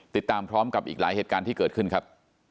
ติดตามพร้อมกับอีกหลายเหตุการณ์ที่เกิดขึ้นครับ